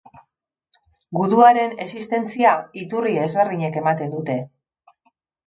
Guduaren existentzia, iturri ezberdinek ematen dute.